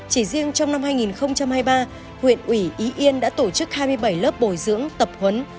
chỉ riêng trong năm hai nghìn hai mươi ba huyện ủy ý yên đã tổ chức hai mươi bảy lớp bồi dưỡng tập huấn